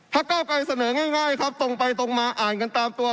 เก้าไกรเสนอง่ายครับตรงไปตรงมาอ่านกันตามตัว